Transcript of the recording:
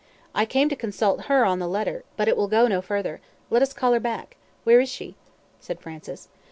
I came to consult her on the letter, but it will go no further; let us call her back. Where is she?" said Francis.